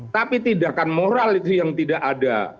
tapi tindakan moral itu yang tidak ada